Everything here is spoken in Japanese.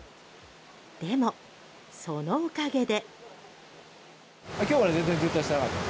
でも、そのおかげで。